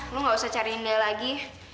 lu gak usah cariin dia lagi